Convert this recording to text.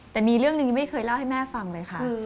แต่มีเรื่องหนึ่งไม่เคยเล่าให้แม่ฟังเลยค่ะ